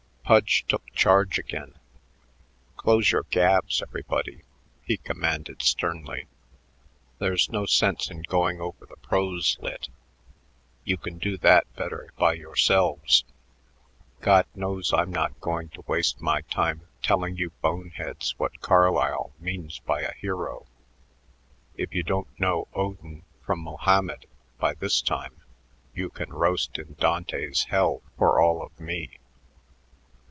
Pudge took charge again. "Close your gabs, everybody," he commanded sternly. "There's no sense in going over the prose lit. You can do that better by yourselves. God knows I'm not going to waste my time telling you bone heads what Carlyle means by a hero. If you don't know Odin from Mohammed by this time, you can roast in Dante's hell for all of me.